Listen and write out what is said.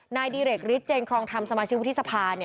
นายดิเรกฤทธเจนครองธรรมสมาชิกวุฒิสภา